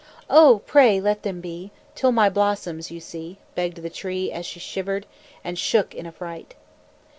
"Oh! pray let them be, Till my blossoms you see!" Begged the Tree, as she shivered And shook in affright.